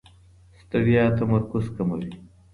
ستړیا تمرکز کموي.